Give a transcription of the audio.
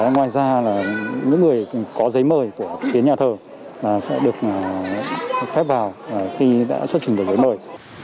ngoài ra là những người có giấy mời của tuyến nhà thờ sẽ được phép vào khi đã xuất trình được giấy mời